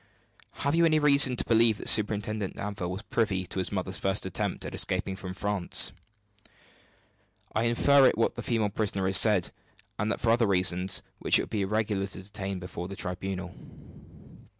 "Have you any reason to believe that Superintendent Danville was privy to his mother's first attempt at escaping from France?" "I infer it from what the female prisoner has said, and for other reasons which it would be irregular to detail before the tribunal.